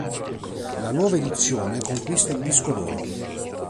La nuova edizione conquista il disco d'oro.